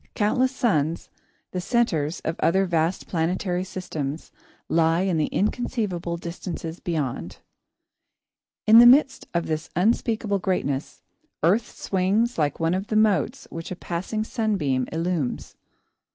Countless suns, the centres of other vast planetary systems, lie in the inconceivable distances beyond. [Sidenote: A Mote in the Sun] In the midst of this unspeakable greatness, Earth swings like one of the motes which a passing sunbeam illumines.